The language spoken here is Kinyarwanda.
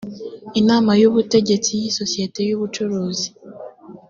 inama y ubutegetsi y isosiyete y ubucuruzi